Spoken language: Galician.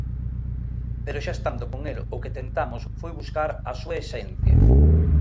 Pero xa estando con el o que tentamos foi buscar a súa esencia.